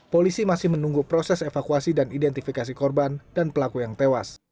polisi masih menunggu proses evakuasi dan identifikasi korban dan pelaku yang tewas